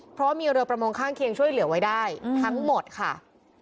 เพราะว่ามีเรือประมงข้างเคียงช่วยเหลือไว้ได้ทั้งหมดค่ะ